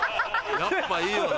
やっぱいいよな。